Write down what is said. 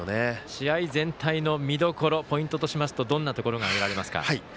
試合全体の見どころポイントとしますとどんなところが挙げられますか？